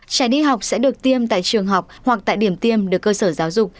trẻ đi học sẽ được tiêm tại trường học hoặc tại điểm tiêm được cơ sở giáo dục